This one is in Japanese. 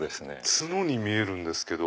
角に見えるんですけど。